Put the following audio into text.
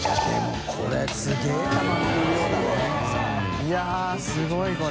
いやすごいこれ。